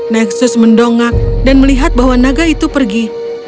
nexus mendongak dan melihat bahwa naga itu pergi